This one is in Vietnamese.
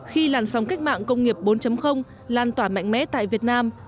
khi làn sóng cách mạng công nghiệp bốn lan tỏa mạnh mẽ tại việt nam